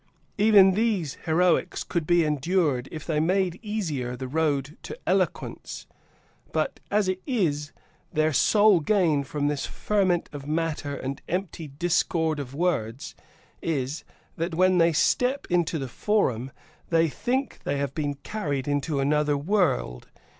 Even these heroics could be endured if they made easier the road to eloquence; but as it is, their sole gain from this ferment of matter and empty discord of words is, that when they step into the Forum, they think they have been carried into another world.